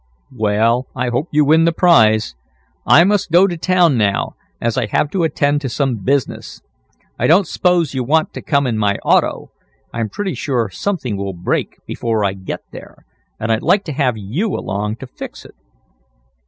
"Well, I hope you win the prize. I must go to town now, as I have to attend to some business. I don't s'pose you want to come in my auto. I'm pretty sure something will break before I get there, and I'd like to have you along to fix it."